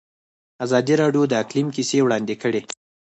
ازادي راډیو د اقلیم کیسې وړاندې کړي.